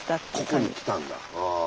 ここに来たんだ。